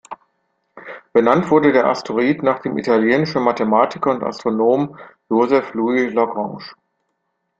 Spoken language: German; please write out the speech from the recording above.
Benannt wurde der Asteroid nach dem italienischen Mathematiker und Astronomen Joseph Louis Lagrange.